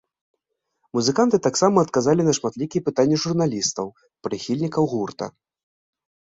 Музыканты таксама адказалі на шматлікія пытанні журналістаў, прыхільнікаў гурта.